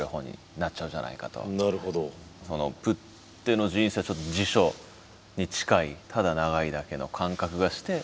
プッテの人生はちょっと辞書に近いただ長いだけの感覚がして。